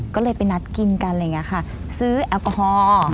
ก็เลยไปนัดกินกันซื้อแอลกอฮอล์